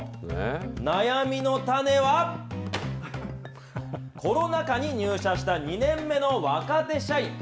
悩みの種は、コロナ禍に入社した２年目の若手社員。